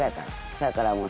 せやからもう。